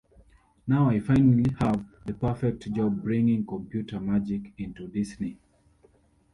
Now I finally have the perfect job - bringing computer magic into Disney.